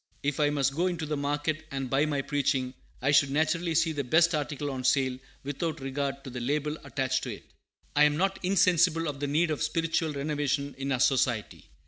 If I must go into the market and buy my preaching, I should naturally seek the best article on sale, without regard to the label attached to it. I am not insensible of the need of spiritual renovation in our Society.